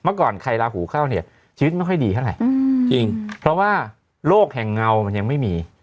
เมื่อก่อนใครลาหูเข้าเนี่ยชีวิตไม่ค่อยดีเท่าไหร่จริงเพราะว่าโลกแห่งเงามันยังไม่มี